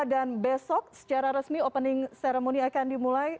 dan besok secara resmi opening ceremony akan dimulai